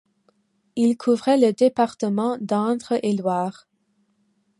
Il couvrait le département d'Indre-et-Loire.